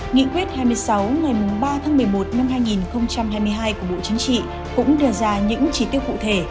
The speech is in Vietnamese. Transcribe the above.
nghị quyết hai mươi sáu ngày ba tháng một mươi một năm hai nghìn hai mươi hai của bộ chính trị cũng đưa ra những chỉ tiêu cụ thể